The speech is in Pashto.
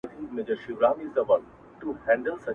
اوس به كومه تورپېكۍ پر بولدك ورسي.!